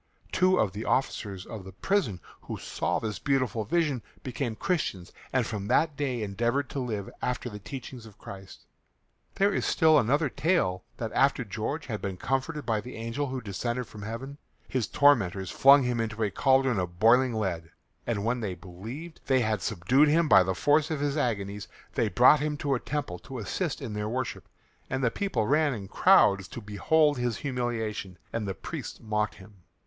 Two of the officers of the prison who saw this beautiful vision became Christians and from that day endeavoured to live after the teachings of Christ. There is still another tale that after George had been comforted by the angel who descended from heaven, his tormentors flung him into a cauldron of boiling lead, and when they believed they had subdued him by the force of his agonies, they brought him to a temple to assist in their worship, and the people ran in crowds to behold his humiliation, and the priests mocked him.